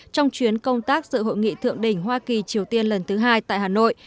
trong chuyến công tác dự hội nghị thượng đỉnh hoa kỳ triều tiên lần thứ hai tại hà nội